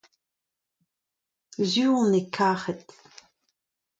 sur on e karhed.